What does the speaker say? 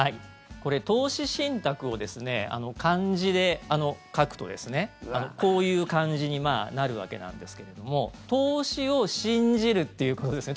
これ、投資信託をですね漢字で書くとこういう漢字になるわけなんですけれども投資を信じるっていうことですね。